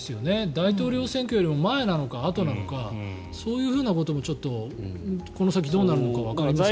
大統領選挙よりも前なのかあとなのかそういうこともこの先、どうなるのかわかりませんね。